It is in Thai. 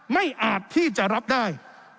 อาจที่จะรับได้